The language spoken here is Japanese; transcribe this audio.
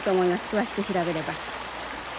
詳しく調べれば。